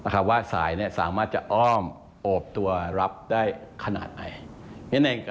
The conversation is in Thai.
ว่าสายสามารถจะอ้อมโอบตัวรับได้ขนาดไหน